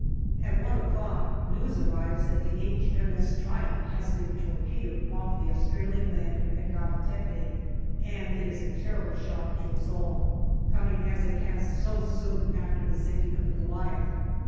At one o'clock news arrives that H.M.S. Triumph has been torpedoed off the Australian landing at Gabe Tepe, and it is a terrible shock to us all, coming as it has so soon after the sinking of the Goliath.